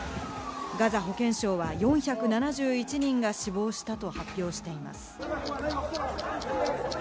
ガザ保健省は４７１人が死亡したと発表しています。